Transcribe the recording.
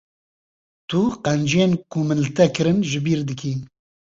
Tu qenciyên ku min li te kirin ji bir dikî.